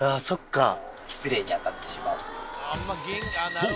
そう！